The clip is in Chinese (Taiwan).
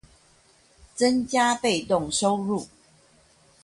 增加被動收入